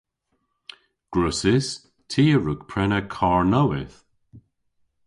Gwrussys. Ty a wrug prena karr nowydh.